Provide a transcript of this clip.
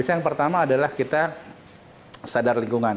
yang pertama adalah kita sadar lingkungan